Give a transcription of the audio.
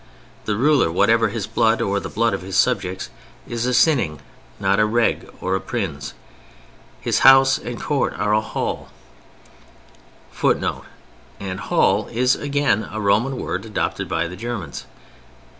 The ruler, whatever his blood or the blood of his subjects, is a Cynning, not a Reg or a Prins. His house and court are a hall [Footnote: And "hall" is again a Roman word adopted by the Germans.